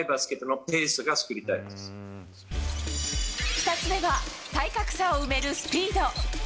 ２つ目は体格差を埋めるスピード。